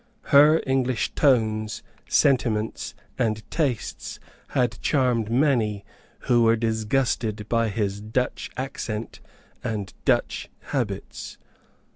Her English tones, sentiments and tastes had charmed many who were disgusted by his Dutch accent and Dutch habits.